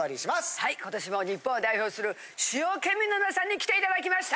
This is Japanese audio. はい今年も日本を代表する主要県民の皆さんに来て頂きました。